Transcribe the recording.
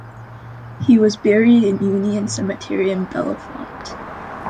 He was buried in Union Cemetery in Bellefonte.